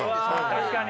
確かに。